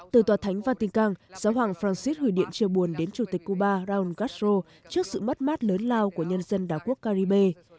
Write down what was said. từ tòa thánh vatican giáo hoàng francis gửi điện chia buồn đến chủ tịch cuba raul castro trước sự mất mát lớn lao của nhân dân đảo quốc caribe